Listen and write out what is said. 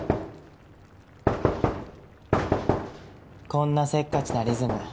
こんなせっかちなリズム。